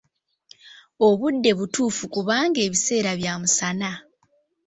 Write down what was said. Obudde butuufu kubanga ebiseera bya musana.